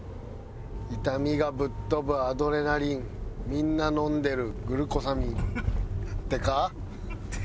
「痛みがぶっ飛ぶアドレナリンみんな飲んでるグルコサミン」ってか？